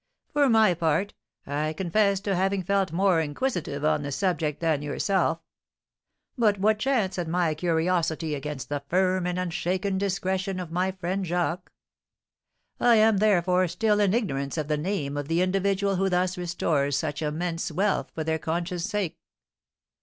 For my part, I confess to having felt more inquisitive on the subject than yourself; but what chance had my curiosity against the firm and unshaken discretion of my friend Jacques? I am, therefore, still in ignorance of the name of the individual who thus restores such immense wealth for their conscience' sake."